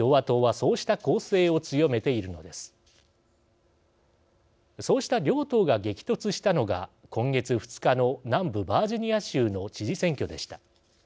そうした両党が激突したのが今月２日の南部バージニア州の知事選挙でした。